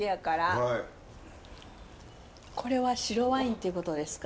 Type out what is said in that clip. これは白ワインってことですか？